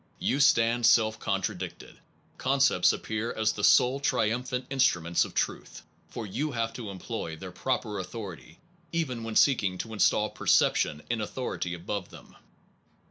You stand self contradicted : concepts appear as the sole triumphant instru ments of truth, for you have to employ their proper authority, even when seeking to install perception in authority above them.